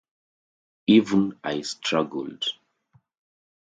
Even I struggled.